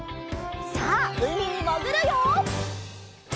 さあうみにもぐるよ！